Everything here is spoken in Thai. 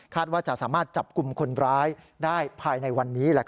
ว่าจะสามารถจับกลุ่มคนร้ายได้ภายในวันนี้